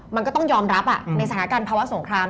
มันก็ต้องยอมรับในสถานการณ์ภาวะสงคราม